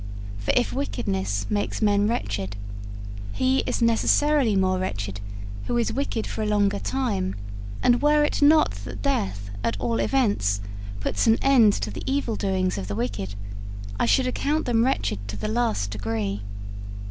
For if wickedness makes men wretched, he is necessarily more wretched who is wicked for a longer time; and were it not that death, at all events, puts an end to the evil doings of the wicked, I should account them wretched to the last degree.